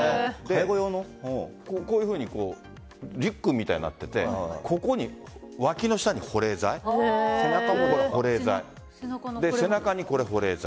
こういうふうにリュックみたいになっていて脇の下に保冷剤背中に保冷剤。